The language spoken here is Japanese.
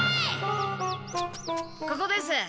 ここです。